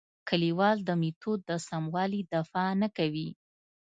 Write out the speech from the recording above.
لیکوال د میتود د سموالي دفاع نه کوي.